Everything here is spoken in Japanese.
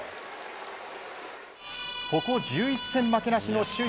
ここ１１戦負けなしの首位